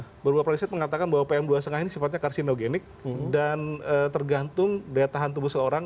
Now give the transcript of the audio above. beberapa prinsip mengatakan bahwa pm dua lima ini sifatnya karsinogenik dan tergantung daya tahan tubuh seorang